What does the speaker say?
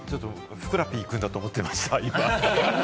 ふくらＰ君だと思ってました。